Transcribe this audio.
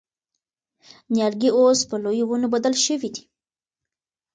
نیالګي اوس په لویو ونو بدل شوي دي.